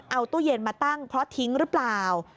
เอาตู้เย็นมาตั้งเพราะทิ้งหรือเปล่า